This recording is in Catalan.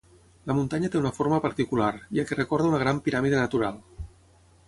La muntanya té una forma particular, ja que recorda una gran piràmide natural.